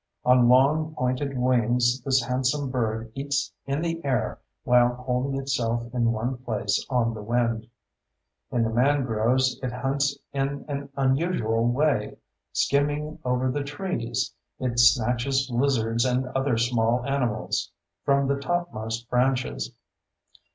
On long, pointed wings this handsome bird eats in the air while holding itself in one place on the wind. In the mangroves, it hunts in an unusual way: skimming over the trees, it snatches lizards and other small animals from the topmost branches.